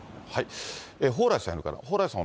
蓬莱さんいるかな、蓬莱さん